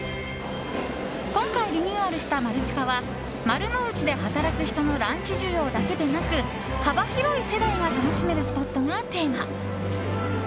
今回、リニューアルしたマルチカは丸の内で働く人のランチ需要だけでなく幅広い世代が楽しめるスポットがテーマ。